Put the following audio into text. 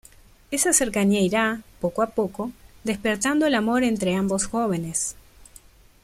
Esa cercanía irá, poco a poco, despertando el amor entre ambos jóvenes.